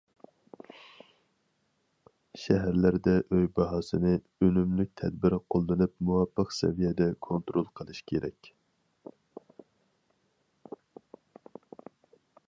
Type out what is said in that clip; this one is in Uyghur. شەھەرلەردە ئۆي باھاسىنى ئۈنۈملۈك تەدبىر قوللىنىپ مۇۋاپىق سەۋىيەدە كونترول قىلىش كېرەك.